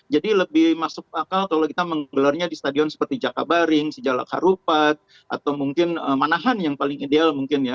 jadi lebih masuk akal kalau kita menggelarnya di stadion seperti jakabaring sejalak harupat atau mungkin manahan yang paling ideal mungkin ya